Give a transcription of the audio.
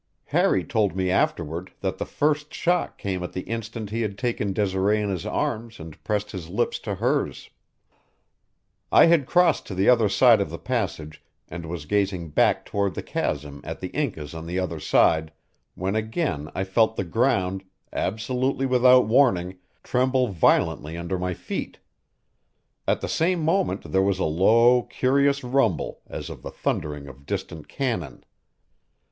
Harry told me afterward that the first shock came at the instant he had taken Desiree in his arms and pressed his lips to hers. I had crossed to the other side of the passage and was gazing back toward the chasm at the Incas on the other side, when again I felt the ground, absolutely without warning, tremble violently under my feet. At the same moment there was a low, curious rumble as of the thundering of distant cannon.